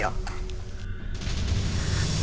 aduh hidung aku gatel nih